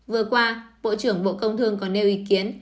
vừa qua bộ trưởng bộ công thương còn nêu ý kiến